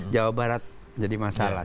jawa barat menjadi masalah